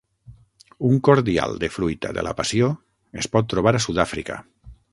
Un cordial de fruita de la passió es pot trobar a Sud-Àfrica.